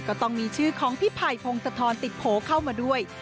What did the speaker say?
ก็ต้องมีชื่อของพี่ไผ่พงศธรติดโผล่เข้ามาด้วย